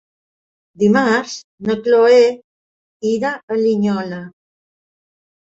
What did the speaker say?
Dimarts na Chloé irà a Linyola.